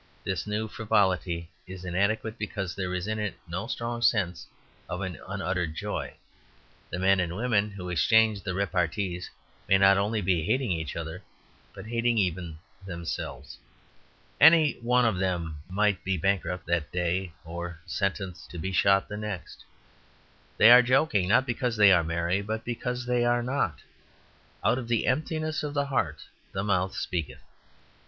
This new frivolity is inadequate because there is in it no strong sense of an unuttered joy. The men and women who exchange the repartees may not only be hating each other, but hating even themselves. Any one of them might be bankrupt that day, or sentenced to be shot the next. They are joking, not because they are merry, but because they are not; out of the emptiness of the heart the mouth speaketh.